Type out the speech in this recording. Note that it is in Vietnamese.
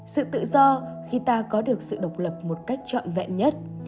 sự tự do khi ta có được sự độc lập một cách trọn vẹn nhất